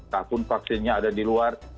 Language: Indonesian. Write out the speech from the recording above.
tak pun vaksinnya ada di luar